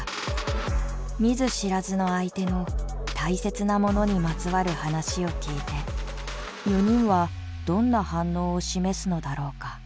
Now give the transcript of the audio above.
見ず知らずの相手の大切なものにまつわる話を聞いて４人はどんな反応を示すのだろうか。